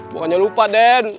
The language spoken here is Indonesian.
bukannya lupa den